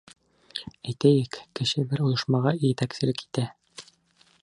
Әйтәйек, кеше бер ойошмаға етәкселек итә.